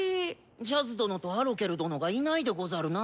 ジャズ殿とアロケル殿がいないでござるな。